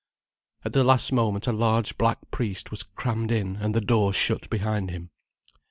At the last moment a large black priest was crammed in, and the door shut behind him.